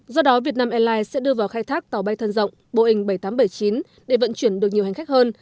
do đó vietnam airlines sẽ đưa vào khai thác tàu bay thân rộng boeing bảy nghìn tám trăm bảy mươi chín để vận chuyển được nhiều hành khách hơn